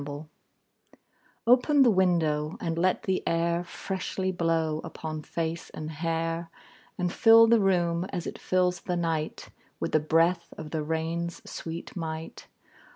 Nelson] OPEN the window, and let the air Freshly blow upon face and hair, And fill the room, as it fills the night, With the breath of the rain's sweet might.